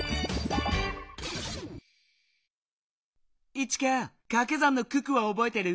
イチカかけ算の九九はおぼえてる？